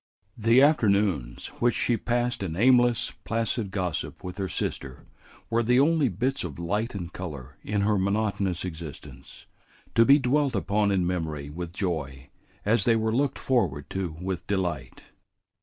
The afternoons which she passed in aimless, placid gossip with her sister were the only bits of light and color in her monotonous existence, to be dwelt upon in memory with joy as they were looked forward to with delight.